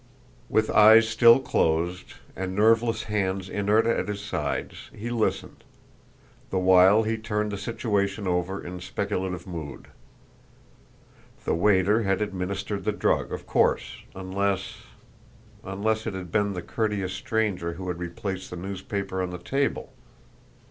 With eyes still closed, and nerveless hands inert at his sides he listened, the while he turned the situation over in speculative mood. The waiter had administered the drug, of course, unless unless it had been the courteous stranger who had replaced the newspaper on the table!